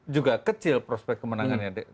juga kecil prospek kemenangannya